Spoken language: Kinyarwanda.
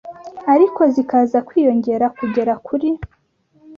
ariko zikaza kwiyongera kugera kuri.